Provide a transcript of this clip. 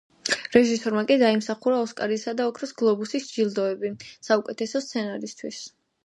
რეჟისორმა კი დაიმსახურა ოსკარისა და ოქროს გლობუსის ჯილდოები საუკეთესო სცენარისთვის.